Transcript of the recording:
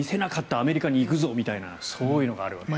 アメリカに行くぞみたいなそういうのがあるみたいです。